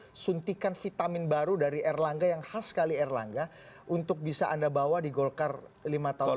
ada suntikan vitamin baru dari erlangga yang khas sekali erlangga untuk bisa anda bawa di golkar lima tahun lalu